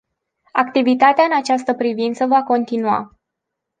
Activitatea în această privință va continua.